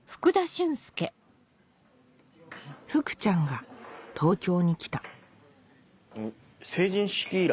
福ちゃんが東京に来た成人式以来？